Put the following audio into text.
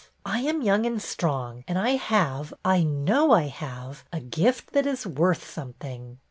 '' I am young and strong, and I have, I know I have, a gift that is worth something."